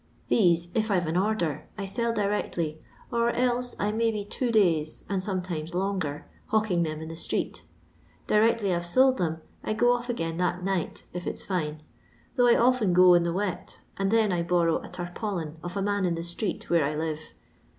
These, if I 've an order, I sell directly, or else I may be two days, and some times longer, hawking them in the street Directly I 've sold them I go off again that night, if it 's fine ; though I often go in the wet, and then I borrow a tarpaulin of a man in the street where I live.